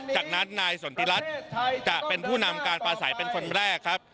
จากนั้นนายสนทิรัฐจะเป็นผู้นำการปลาใสเป็นคนแรกครับ